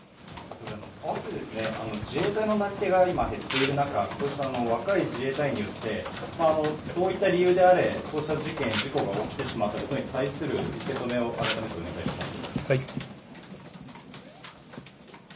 併せて、自衛隊のなり手が今、減っている中、こういった若い自衛隊員によって、どういった理由であれ、こうした事件、事故が起きてしまったことに対する受け止めをお願いします。